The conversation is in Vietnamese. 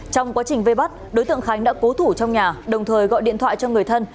trong quá trình vây bắt đối tượng khánh đã cố thủ trong nhà đồng thời gọi điện thoại cho người thân